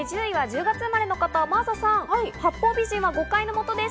１０位は１０月生まれの方、真麻さん。